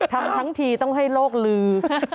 ทำทั้งทีต้องให้โรคลือ